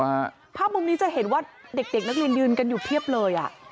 ภาพมุมนี้จะเห็นว่าเด็กเด็กนักเรียนยืนกันอยู่เพียบเลยอ่ะ